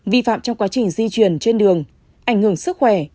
vi phạm trong quá trình di chuyển trên đường ảnh hưởng sức khỏe